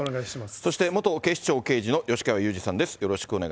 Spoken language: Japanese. そして元警視庁刑事の吉川祐二さんです。